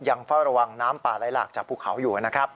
เฝ้าระวังน้ำป่าไหลหลากจากภูเขาอยู่นะครับ